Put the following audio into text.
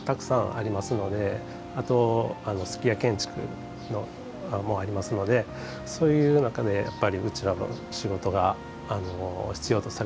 あと数寄屋建築もありますのでそういう中でやっぱりうちらの仕事が必要とされていると思います。